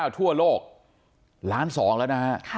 ทั่วโลก๑ล้าน๒แล้วนะครับ